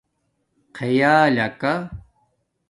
خِیالکہ